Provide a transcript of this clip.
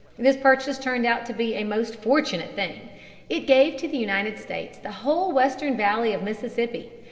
This purchase turned out to be a most fortunate thing. It gave to the United States the whole western valley of the Mississippi.